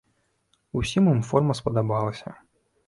Усім ім форма спадабалася.